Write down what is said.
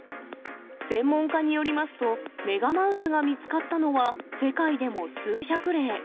専門家によりますと、メガマウスが見つかったのは世界でも数百例。